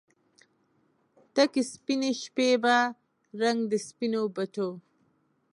تکې سپینې شپې په رنګ د سپینو بتو